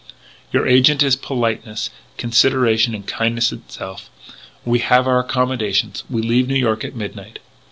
"Your agent is politeness, consideration and kindness itself. We have our accommodations. We leave New York at midnight.